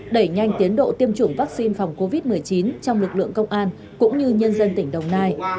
đẩy nhanh tiến độ tiêm chủng vaccine phòng covid một mươi chín trong lực lượng công an cũng như nhân dân tỉnh đồng nai